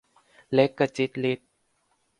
เล็กกระจิดริด